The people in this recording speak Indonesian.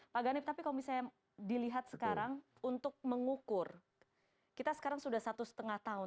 pak ganip tapi kalau misalnya dilihat sekarang untuk mengukur kita sekarang sudah satu setengah tahun